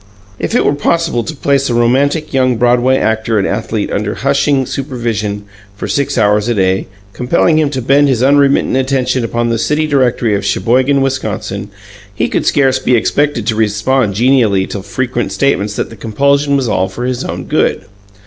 If it were possible to place a romantic young Broadway actor and athlete under hushing supervision for six hours a day, compelling him to bend his unremittent attention upon the city directory of Sheboygan, Wisconsin, he could scarce be expected to respond genially to frequent statements that the compulsion was all for his own good.